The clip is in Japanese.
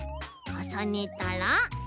かさねたら？